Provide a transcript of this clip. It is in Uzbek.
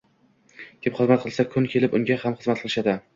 Kim xizmat qilsa, kun kelib unga ham xizmat qilishadi